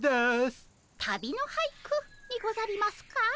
旅の俳句にござりますか？